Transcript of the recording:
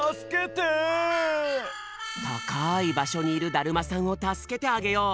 たかいばしょにいるだるまさんを助けてあげよう。